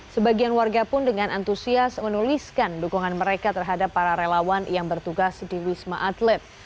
sebagian warga pun dengan antusias menuliskan dukungan mereka terhadap para relawan yang bertugas di wisma atlet